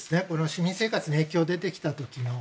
市民生活に影響が出てきた時の。